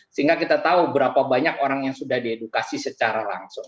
sehingga kita tahu berapa banyak orang yang sudah diedukasi secara langsung